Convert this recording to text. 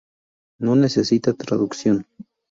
No necesita traducción.